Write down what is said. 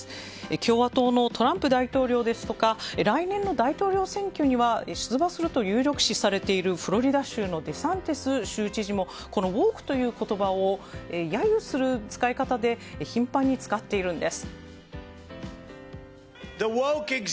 共和党のトランプ大統領ですとか来年の大統領選挙には出馬すると有力視されているフロリダ州のデサンテス州知事もこのＷＯＫＥという言葉を揶揄する使い方で頻繁に使っているんです。